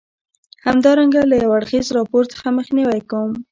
همدارنګه له یو اړخیز راپور څخه مخنیوی کوم.